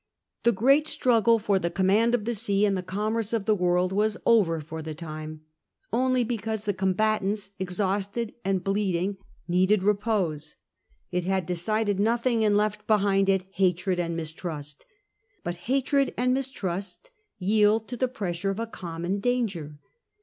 The great struggle for the command of the sea and the commerce of the world was over for the time, only because the combatants, exhausted and bleeding, needed rtpose. 140 The First Dutch War . 1667. It had decided nothing, and had left behind it hatred and mistrust. But hatred and mistrust yield to the pressure of a common danger.